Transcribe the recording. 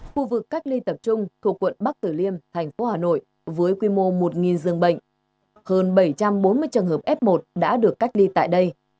khu vực cách ly tập trung thuộc quận bắc tử liêm thành phố hà nội với quy mô một dương bệnh hơn bảy trăm bốn mươi trường hợp f một đã được cách ly tại đây